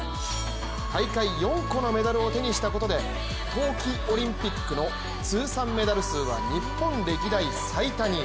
大会４個のメダルを手にしたことで冬季オリンピックの通算メダル数は日本歴代最多に。